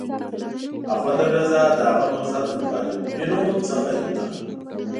اخوند درویزه د هغه نهضت د مخالفینو څخه یو تن و.